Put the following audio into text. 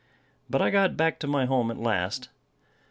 But I got back to my home at last.